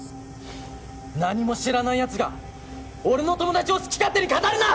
何も知らない奴が俺の友達を好き勝手に語るな！！